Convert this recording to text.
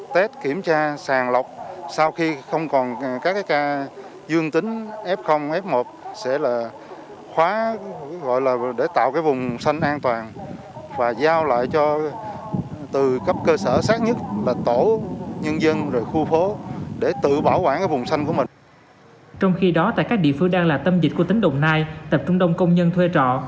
trong khi đó tại các địa phương đang là tâm dịch của tính đồng nai tập trung đông công nhân thuê trọ